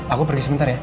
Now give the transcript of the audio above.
aku pergi sebentar ya